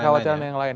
kekhawatiran yang lain